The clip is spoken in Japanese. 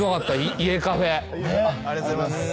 「家カフェ」ありがとうございます。